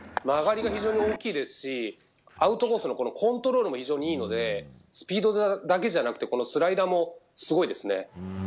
曲がりが非常に大きいですしアウトコースのコントロールも非常にいいのでスピードだけじゃなくてスライダーもすごいですね。